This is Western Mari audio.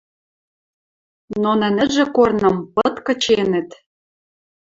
Но нӹнӹжӹ корным пыт кыченӹт.